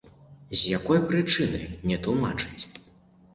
З якой прычыны, не тлумачыць.